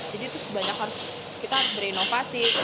jadi itu sebanyak harus kita berinovasi